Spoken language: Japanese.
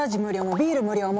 ビール無料も！